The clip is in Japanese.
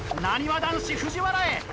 なにわ男子・藤原へ。